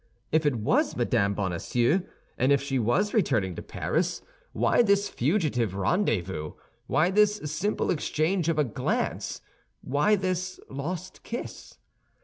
If it was Mme. Bonacieux and if she was returning to Paris, why this fugitive rendezvous, why this simple exchange of a glance, why this lost kiss?